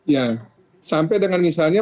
ya sampai dengan misalnya